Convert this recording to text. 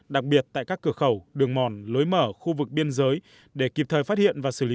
đặc biệt tại các cửa khẩu đường mòn lối mở khu vực biên giới để kịp thời phát hiện và xử lý